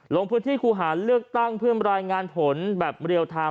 ลงพื้นที่คู่หาเลือกตั้งเพื่อรายงานผลแบบเรียลไทม์